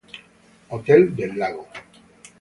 Hotel del Lago